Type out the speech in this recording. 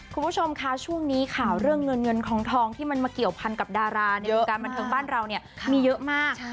คุณผู้ชมคะช่วงนี้ข่าวเรื่องเงินเงินทองที่มันมาเกี่ยวพันกับดาราในวงการบันเทิงบ้านเราเนี่ยมีเยอะมาก